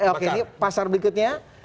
oke ini pasar berikutnya